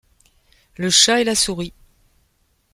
Le chat et la souris. ..